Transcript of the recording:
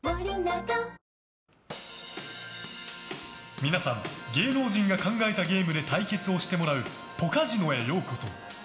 皆さん、芸能人が考えたゲームで対決をしてもらうポカジノへようこそ。